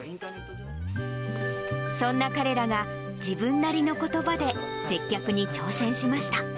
そんな彼らが自分なりのことばで接客に挑戦しました。